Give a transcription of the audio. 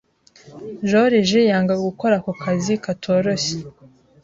Joriji yanga gukora ako kazi katoroshye.